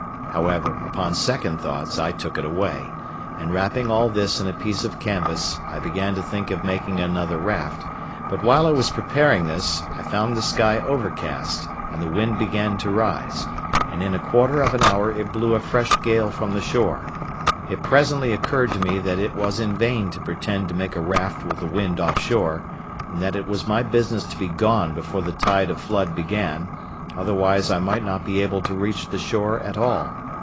However, upon second thoughts I took it away; and wrapping all this in a piece of canvas, I began to think of making another raft; but while I was preparing this, I found the sky overcast, and the wind began to rise, and in a quarter of an hour it blew a fresh gale from the shore. It presently occurred to me that it was in vain to pretend to make a raft with the wind offshore; and that it was my business to be gone before the tide of flood began, otherwise I might not be able to reach the shore at all.